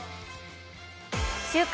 「週刊！